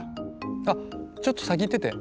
あっちょっと先行ってて。